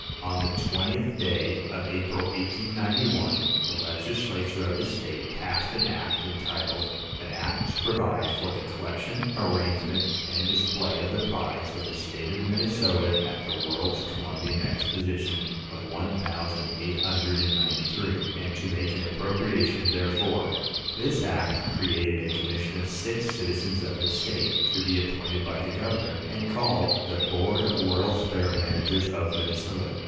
On the twentieth day of April, 1891, the legislature of the state passed an act entitled "An act to provide for the collection, arrangement and display of the products of the State of Minnesota at the World's Columbian Exposition of one thousand eight hundred and ninety three, and to make an appropriation therefor." This act created a commission of six citizens of the state, to be appointed by the governor, and called "The Board of World's Fair Managers of Minnesota."